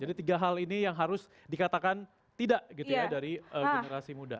jadi tiga hal ini yang harus dikatakan tidak gitu ya dari generasi muda